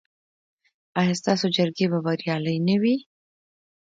ایا ستاسو جرګې به بریالۍ نه وي؟